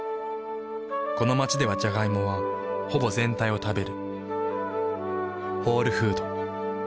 この街ではジャガイモはほぼ全体を食べる。